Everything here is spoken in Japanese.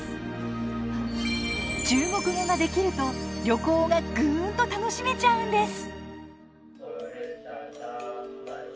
中国語ができると旅行がグーンと楽しめちゃうんです！